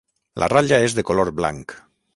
La ratlla és de color blanc.